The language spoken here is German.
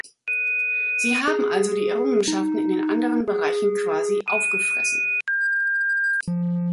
Sie haben also die Errungenschaften in den anderen Bereichen quasi aufgefressen.